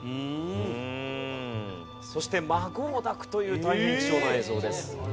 そして孫を抱くという大変貴重な映像です。